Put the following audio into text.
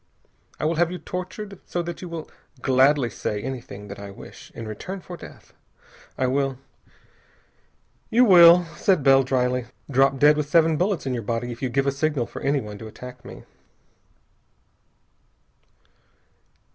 I will have you tortured so that you will gladly say anything that I wish, in return for death. I will " "You will," said Bell dryly, "drop dead with seven bullets in your body if you give a signal for anyone to attack me."